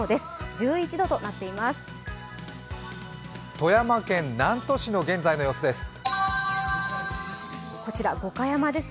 富山県南砺市の現在の様子です。